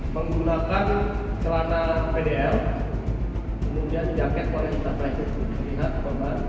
menggunakan celana pdl kemudian jaket korea kita